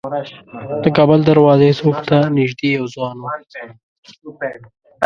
د کابل دروازې څوک ته نیژدې یو ځوان و.